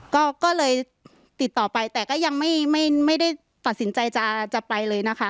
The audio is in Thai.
ก็เลยติดต่อไปแต่ก็ยังไม่ได้ตัดสินใจจะไปเลยนะคะ